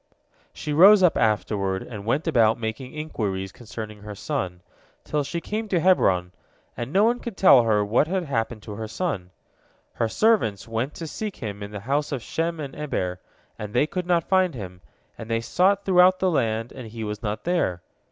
She rose up afterward and went about making inquiries concerning her son, till she came to Hebron, and no one could tell her what had happened to her son. Her servants went to seek him in the house of Shem and Eber, and they could not find him, and they sought throughout the land, and he was not there.